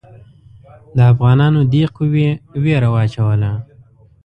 د افغانانو دې قوې وېره واچوله.